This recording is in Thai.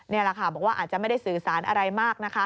นี่แหละค่ะบอกว่าอาจจะไม่ได้สื่อสารอะไรมากนะคะ